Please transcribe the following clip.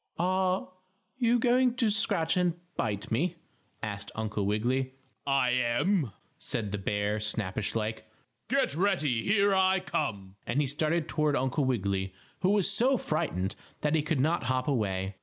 "Are are you going to scratch and bite me?" asked Uncle Wiggily. "I am," said the bear, snappish like. "Get ready. Here I come!" and he started toward Uncle Wiggily, who was so frightened that he could not hop away.